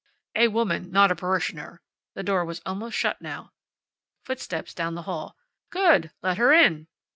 "A woman, not a parishioner." The door was almost shut now. Footsteps down the hall. "Good! Let her in."